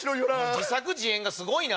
自作自演がすごいな。